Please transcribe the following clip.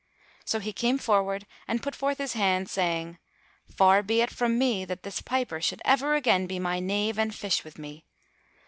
So he came forward and put forth his hand saying, "Far be it from me that this piper should ever again be my knave and fish with me!"